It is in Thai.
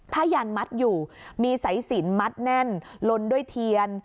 ยันมัดอยู่มีสายสินมัดแน่นลนด้วยเทียน